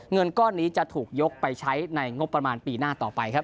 เงินก้อนนี้จะถูกยกไปใช้ในงบประมาณปีหน้าต่อไปครับ